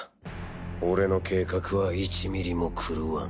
俺の計画は１ミリも狂わん。